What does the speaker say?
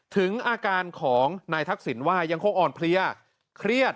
ถึงอาการของนายทักษิณว่ายังคงอ่อนเพลียเครียด